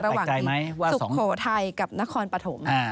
ระหว่างที่สุโขทัยกับนครปฐม